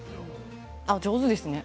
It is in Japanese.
上手ですね。